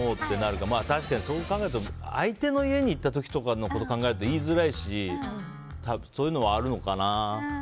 でも、そう考えたら相手の家に行った時にこれを考えると言いづらいしそういうのはあるのかな。